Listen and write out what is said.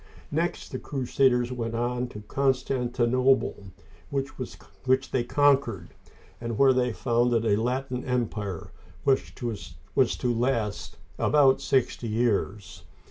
Next, the crusaders went on to Constantinople, which they conquered, and where they founded a Latin empire which was to last about sixty years.